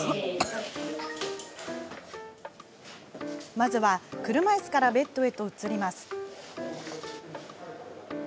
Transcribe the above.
まずは車いすからベッドへと移ります。